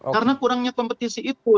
karena kurangnya kompetisi itu